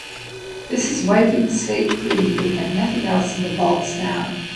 This is wiping the slate clean, we have nothing else in the vaults now.